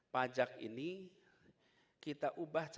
pajak ini kita ubah cara pembeliannya